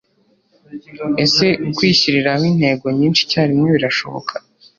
ese kwishyiriraho intego nyinshi icyarimwe birashoboka